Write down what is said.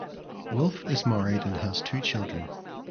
Wolf is married and has two children.